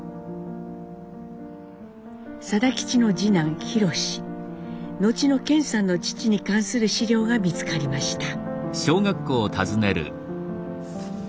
定吉の次男弘史後の顕さんの父に関する資料が見つかりました。